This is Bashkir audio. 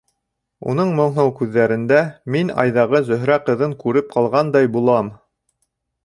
Уның моңһоу күҙҙәрендә мин айҙағы Зөһрә ҡыҙын күреп ҡалғандай булам.